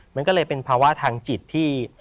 มันก็เลยเป็นภาวะทางจิตที่